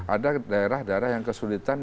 ada daerah daerah yang kesulitan